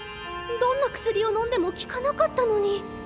どんな薬をのんでも効かなかったのに！